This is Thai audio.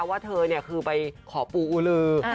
ว่าเธอเนี่ยคือไปขอปูอุลือ